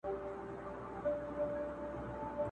د دې شهید وطن په برخه څه زامن راغلي٫